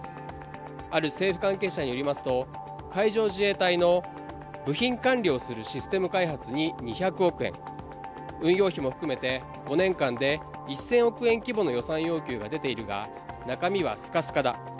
ある政府関係者によりますと、海上自衛隊の部品管理をするシステム開発に２００億円、運用費も含めて５年間で１０００億円規模の予算要求が出ているが中身はスカスカだ。